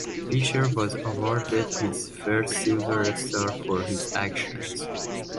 Fisher was awarded his first Silver Star for his actions.